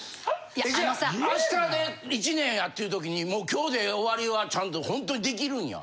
じゃあ明日で１年やっていう時にもう今日で終わりはちゃんとホントにできるんや。